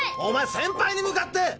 おまえ先輩にむかって。